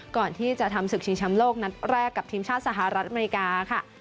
ก่อนที่จะทำศึกชิงชำโลกนัดแรกกับทีมชาติสหรัฐอเมริกาค่ะ